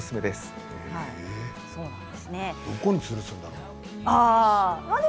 どこに、つるすんだろう？